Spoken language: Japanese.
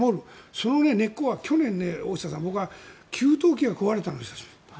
その根っこは去年、大下さん僕は給湯器が壊れたんです。